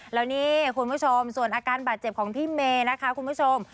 แล้วนี่คุณผู้ชมส่วนอาการบาดเจ็บของพี่เมย์นะคะคุณผู้ชม